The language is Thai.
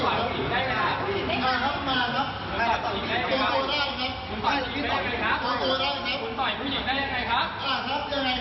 ก็ผู้หญิงจะโมยวังไว้